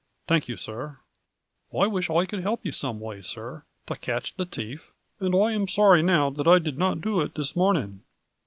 " Thank you, sir. I wish I could help you some way, sir, to catch the thief, and I am sorry now that I did not do it this morning."